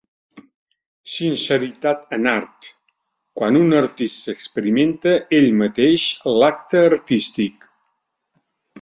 Sinceritat en art: quan un artista experimenta ell mateix l'acte artístic.